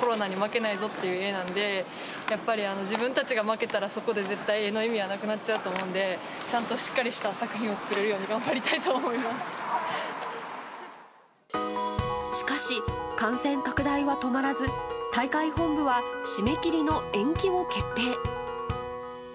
コロナに負けないぞという絵なので、やっぱり自分たちが負けたら、そこで絶対、絵の意味はなくなっちゃうと思うので、ちゃんとしっかりとした作品を作れるように頑しかし、感染拡大は止まらず、大会本部は締め切りの延期を決定。